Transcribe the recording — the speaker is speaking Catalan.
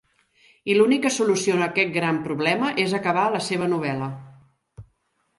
I l'única solució a aquest gran problema és acabar la seva novel·la.